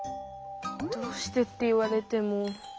「どうして」って言われても。